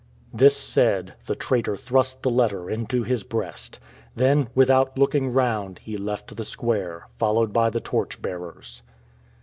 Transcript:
This said, the traitor thrust the letter into his breast. Then, without looking round he left the square, followed by the torch bearers.